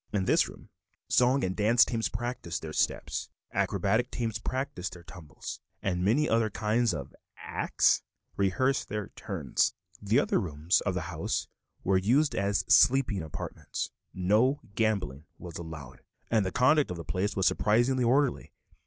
In this room song and dance teams practiced their steps, acrobatic teams practiced their tumbles, and many other kinds of "acts" rehearsed their "turns." The other rooms of the house were used as sleeping apartments. No gambling was allowed, and the conduct of the place was surprisingly orderly.